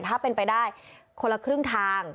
ถ้าเป็นไปได้คนละครึ่งทาง